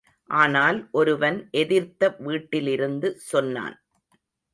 ஆனால் ஒருவன் எதிர்த்த வீட்டிலிருந்து சொன்னான்.